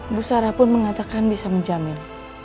ibu sarah pun mengatakan bisa menjamin